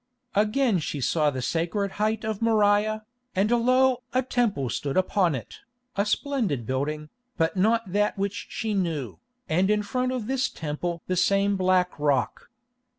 Again she saw the sacred height of Moriah, and lo! a Temple stood upon it, a splendid building, but not that which she knew, and in front of this Temple the same black rock.